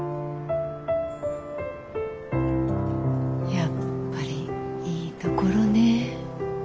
やっぱりいいところね。